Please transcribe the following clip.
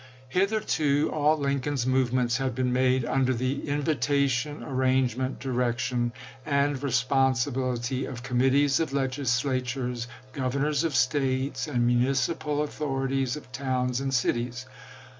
Hitherto, all Lincoln's movements had been made under the invitation, arrangement, direction, and responsibility of committees of legislatures, gov ernors of States, and municipal authorities of towns and cities.